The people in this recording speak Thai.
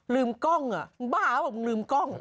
ลืมกล้องบ้าวว่ามึงลืมกล้อง